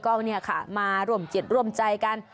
ก็มาร่วมเจียนร่วมใจกัน